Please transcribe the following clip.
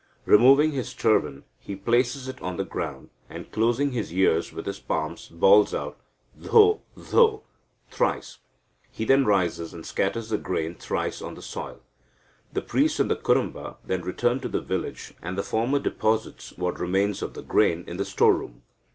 Removing his turban, he places it on the ground, and, closing his ears with his palms, bawls out "Dho, Dho" thrice. He then rises, and scatters the grain thrice on the soil. The priest and Kurumba then return to the village, and the former deposits what remains of the grain in the store room.